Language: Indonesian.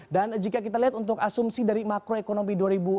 dan jika kita lihat untuk asumsi dari makroekonomi dua ribu enam belas